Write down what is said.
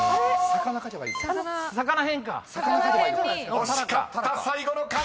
魚書けばいいのか。